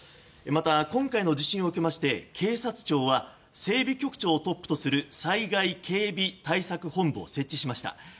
また今回の地震におきまして警察庁は整備局長をトップとする災害警備対策本部を設置しました。